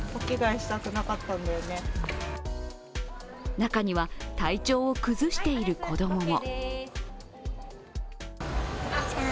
中には体調を崩している子供も。